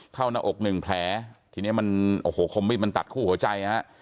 เข้าหน้าอกหนึ่งแผลทีนี้มันโอ้โหมิดมันตัดคู่หัวใจนะฮะ